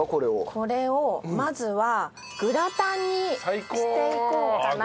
これをまずはグラタンにしていこうかなと。